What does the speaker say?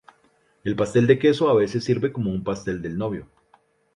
El pastel de queso a veces sirve como un pastel del novio.